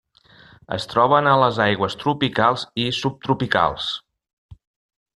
Es troben a les aigües tropicals i subtropicals.